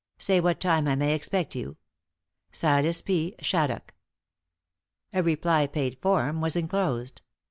Say what time I may expect you.— Silas P. Shaddock." A reply paid form was enclosed.